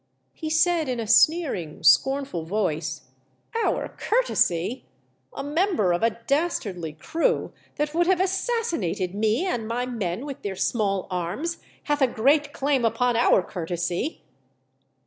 He said, in a sneering, scornful voice, " Our courtesy ! A member of a dastardly crew that would have assassinated me and my o 1 8 THE DEATH SHIP. men with their small arms, hath a great claim upon our courtesy